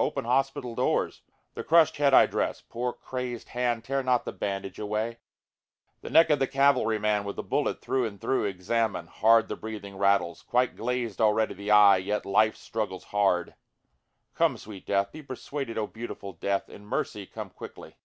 open hospital doors!) The crushâd head I dress, (poor crazed hand tear not the bandage away,) The neck of the cavalry man with the bullet through and through examine, Hard the breathing rattles, quite glazed already the eye, yet life struggles hard, (Come sweet death! be persuaded O beautiful death! In mercy come quickly.)